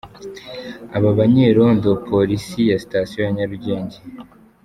Aba banyerondo Polisi ya Sitasiyo ya Nyarugenge.